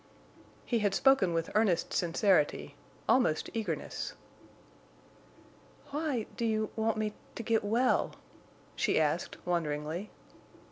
He had spoken with earnest sincerity, almost eagerness. "Why—do you—want me—to get well?" she asked, wonderingly.